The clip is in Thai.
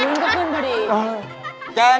เดี๋ยวยุ่นก็ขึ้นพอดีใช่แล้ว